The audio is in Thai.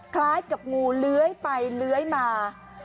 คล้ายกับงูเลื้อยไปเลื้อยมา